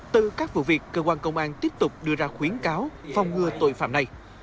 từ các vụ việc cơ quan công an tiếp tục đưa ra khuyến cáo phòng ngừa tội phạm này